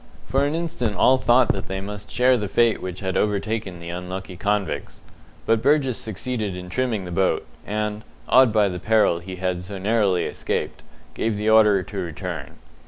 For an instant all thought that they must share the fate which had overtaken the unlucky convicts; but Burgess succeeded in trimming the boat, and, awed by the peril he had so narrowly escaped, gave the order to return.